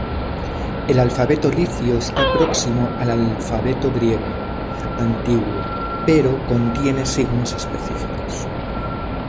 El alfabeto licio está próximo al alfabeto griego antiguo pero contiene signos específicos.